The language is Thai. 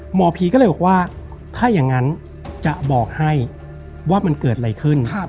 หมอผีก็เลยบอกว่าถ้าอย่างนั้นจะบอกให้ว่ามันเกิดอะไรขึ้น